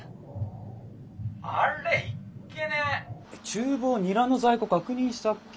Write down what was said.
厨房ニラの在庫確認したっけ？